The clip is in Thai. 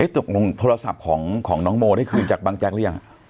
ตกลงโทรศัพท์ของน้องโมได้คืนจากบางแจ๊กหรือยัง